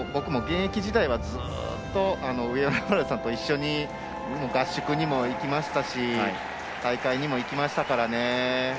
僕も現役時代はずっと上与那原さんと一緒に合宿にも行きましたし大会にも行きましたからね。